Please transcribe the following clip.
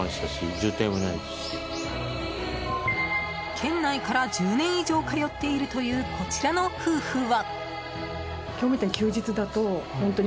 県内から１０年以上通っているというこちらの夫婦は。